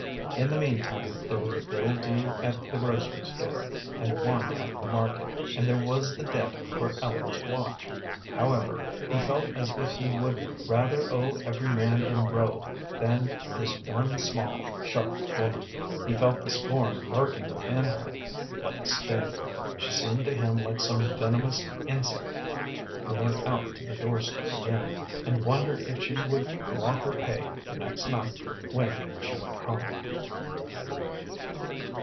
In the meantime there was a bill due at the grocery store, and one at the market, and there was the debt for Ellen's watch. However, he felt as if he would rather owe every man in Rowe than this one small, sharp woman. He felt the scorn lurking within her like a sting. She seemed to him like some venomous insect. He went out to the doorstep again, and wondered if she would want her pay the next night when she went home.